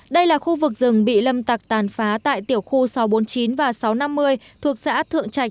đây là khu vực rừng bị lâm tặc tàn phá tại tiểu khu sáu trăm bốn mươi chín và sáu trăm năm mươi thuộc xã thượng trạch